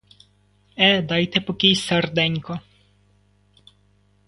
Е, дайте покій, серденько!